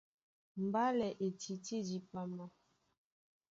Mbálɛ e tití dipama.